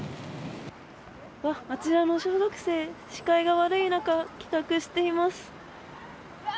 あちらの小学生、視界が悪い中帰宅しています。